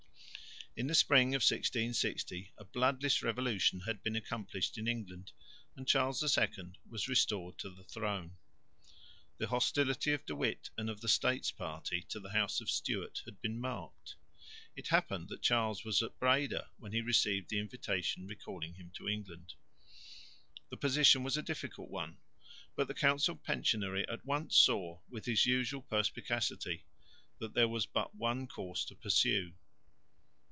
In the spring of 1660 a bloodless revolution had been accomplished in England, and Charles II was restored to the throne. The hostility of De Witt and of the States party to the house of Stuart had been marked. It happened that Charles was at Breda when he received the invitation recalling him to England. The position was a difficult one, but the council pensionary at once saw, with his usual perspicacity, that there was but one course to pursue.